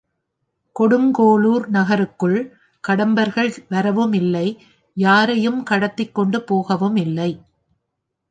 கொடுங் கோளுர் நகருக்குள் கடம்பர்கள் வரவும் இல்லை, யாரையும் கடத்திக்கொண்டு போகவும் இல்லை.